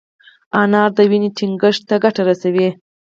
انار د وینې ټينګښت ته ګټه رسوي.